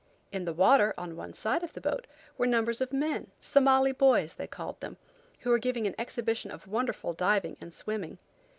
In the water, on one side of the boat, were numbers of men, Somali boys, they called them, who were giving an exhibition of wonderful diving and swimming.